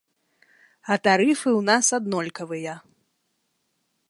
А тарыфы ў нас аднолькавыя.